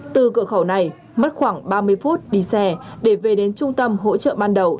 từ cửa khẩu này mất khoảng ba mươi phút đi xe để về đến trung tâm hỗ trợ ban đầu